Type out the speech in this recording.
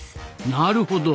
なるほど。